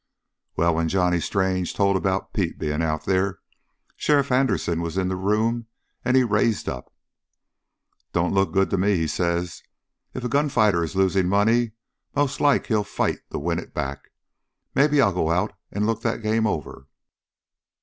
"Well, when Johnny Strange told about Pete being out there, Sheriff Anderson was in the room and he rises up. "'Don't look good to me,' he says. 'If a gunfighter is losing money, most like he'll fight to win it back. Maybe I'll go out and look that game over.'